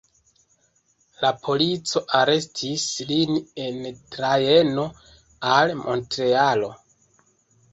La polico arestis lin en trajno al Montrealo.